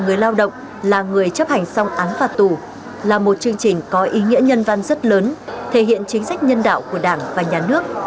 người lao động là người chấp hành xong án phạt tù là một chương trình có ý nghĩa nhân văn rất lớn thể hiện chính sách nhân đạo của đảng và nhà nước